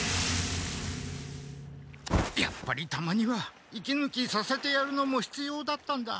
やっぱりたまには息ぬきさせてやるのもひつようだったんだ。